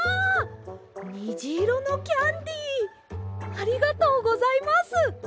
ありがとうございます！